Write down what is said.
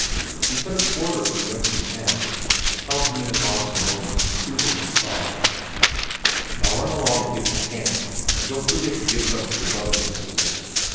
He put a quarter in the youngster's hand and held him in his arms a moment, soothing his sobs. "Now run along and get some candy, and don't forget to give some to your brothers and sisters.